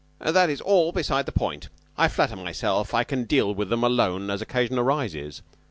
"That is all beside the point. I flatter myself I can deal with them alone as occasion arises.